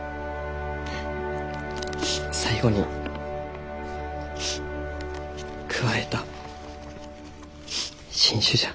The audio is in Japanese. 最後に加えた新種じゃ。